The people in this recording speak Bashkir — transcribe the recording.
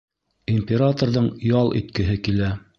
Императорҙың ял иткеһе килә.